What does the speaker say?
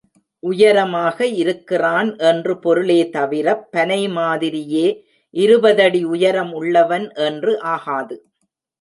உயரமாக இருக்கிறான் என்று பொருளே தவிரப் பனை மாதிரியே இருபதடி உயரம் உள்ளவன் என்று ஆகாது.